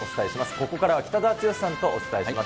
ここからは北澤豪さんとお伝えします。